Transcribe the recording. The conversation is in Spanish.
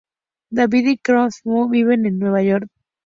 David y Katherine McCallum viven en Nueva York.